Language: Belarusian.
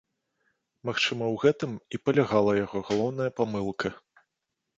Магчыма, у гэтым і палягала яго галоўная памылка.